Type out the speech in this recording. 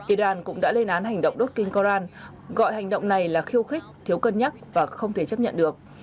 iran cũng đã lên án hành động đốt kinh koran gọi hành động này là khiêu khích thiếu cân nhắc và không thể chấp nhận được